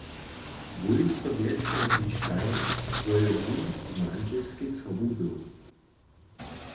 Wój so wjeseleštaj, zo je wón z mandźelskej sobu był.